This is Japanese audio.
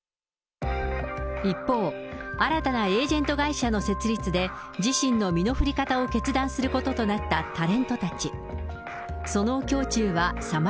一方、新たなエージェント会社の設立で、自身の身の振り方を決断することとなったタレントたち。